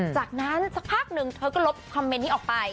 จากนั้นสักพักหนึ่งเธอก็ลบคอมเมนต์นี้ออกไป